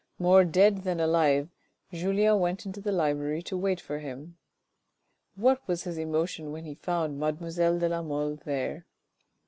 More dead than alive Julien went into the library to wait for him. What was his emotion when he found mademoiselle de la Mole there.